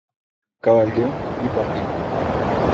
cabalgué y partimos.